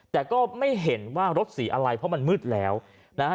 แต่ก็ไม่เห็นว่ารถสีอะไรเพราะมันมืดแล้วนะฮะ